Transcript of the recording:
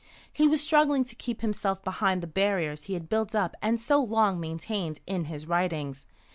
He was struggling to keep himself behind the barriers he had built up and so long maintained in his writings.